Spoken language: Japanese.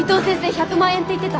１００万円って言ってた。